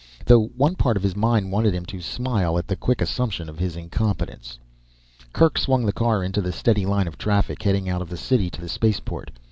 Though one part of his mind wanted him to smile at the quick assumption of his incompetence. Kerk swung the car into the steady line of traffic heading out of the city to the spaceport.